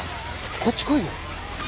こっち来いよ。